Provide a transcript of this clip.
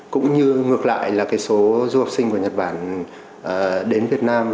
cũng như ngược lại là số du học sinh của nhật bản đến việt nam